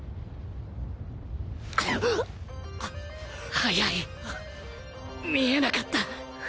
速い！見えなかった